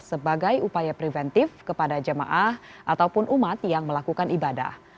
sebagai upaya preventif kepada jemaah ataupun umat yang melakukan ibadah